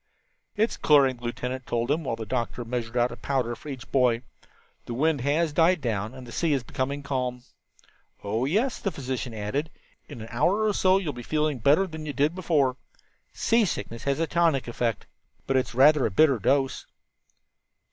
"It is clearing," the lieutenant told them, while the doctor measured out a powder for each boy. "The wind has died down and the sea is becoming calm." "Oh, yes," the physician added, "in an hour or so you will be feeling better than you did before. Seasickness has a tonic effect, but it's rather a bitter dose."